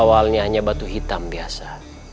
awalnya hanya batu hitam biasa